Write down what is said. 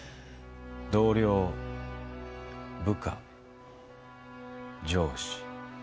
同僚部下上司。